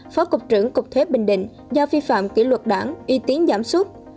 phó cục trưởng cục thuế bình định do phi phạm kỷ luật đảng uy tín giảm suốt